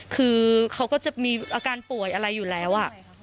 คือเขาก็จะมีอาการป่วยอะไรอยู่แล้ว